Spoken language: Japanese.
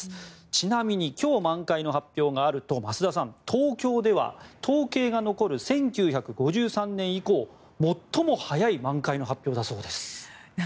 ちなみに、今日満開の発表があると増田さん増田さん、東京では統計が残る１９５３年以降最も早い満開の発表だそうです。